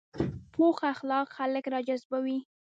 پوخ اخلاق خلک راجذبوي